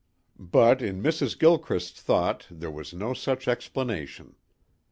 But in Mrs. Gilchrist's thought there was no such explanation.